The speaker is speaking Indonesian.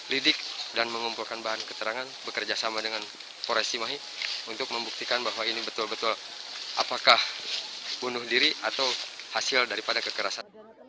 lidik dan mengumpulkan bahan keterangan bekerjasama dengan pores cimahi untuk membuktikan bahwa ini betul betul apakah bunuh diri atau hasil daripada kekerasan